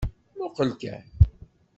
Muqel kan.